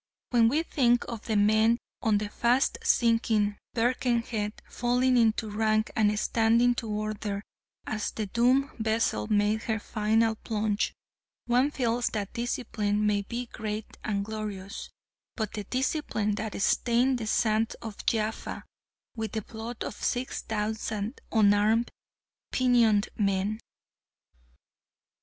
When we think of the men on the fast sinking Birkenhead falling into rank and standing to order as the doomed vessel made her final plunge one feels that discipline may be great and glorious but the discipline that stained the sands of Jaffa with the blood of six thousand unarmed, pinioned men!